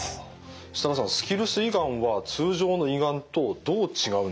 設樂さんスキルス胃がんは通常の胃がんとどう違うんでしょうか？